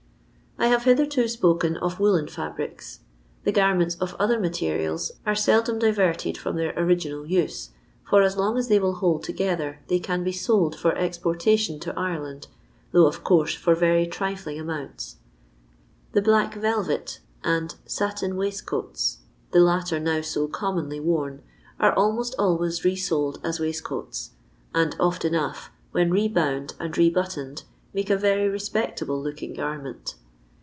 I have bitherto spoken of leooUen fabrics. The garments of other nuiterials are seldom diverted from their original use, fur as long as they will hold together they can be sold fur exportation to Ireland, though of course for rery trifling amounts. The black Vetv t and *Satin Waistcoats — the latter now so commonly worn — are almost always resold as waistcoats, and oft enough, when re bound and rebuttoned, make a rery respectable looking garment.